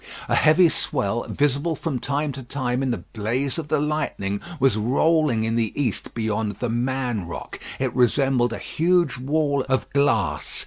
A heavy swell, visible from time to time in the blaze of the lightning, was rolling in the east beyond "The Man Rock." It resembled a huge wall of glass.